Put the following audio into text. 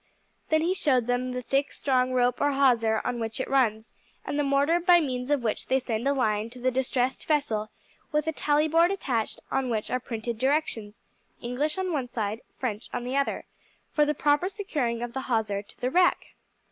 Then he showed them the thick, strong rope or hawser on which it runs, and the mortar by means of which they send a line to the distressed vessel with a tally board attached on which are printed directions English on one side, French on the other for the proper securing of the hawser to the wreck.